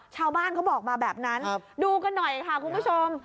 เขาบอกมาแบบนั้นดูกันหน่อยค่ะคุณผู้ชม